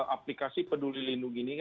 aplikasi peduli lindung ini